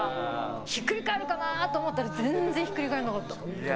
ひっくり返るかなと思ったら全然ひっくり返らなかった。